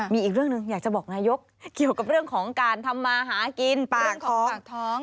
มีอีกเรื่องหนึ่งอยากจะบอกนายกเกี่ยวกับเรื่องของการทำมาหากินเรื่องของปากท้อง